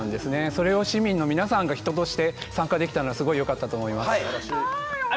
それを市民の皆さんが人として参加できたのはすごくよかったと思います。